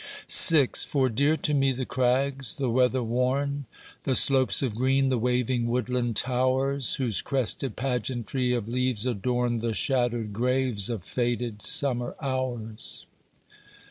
VI For dear to me the crags—the weather worn; The slopes of green, the waving woodland towers Whose crested pageantry of leaves adorn The shadowed graves of faded summer hours.